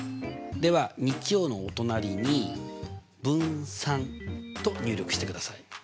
では日曜のお隣に「分散」と入力してください。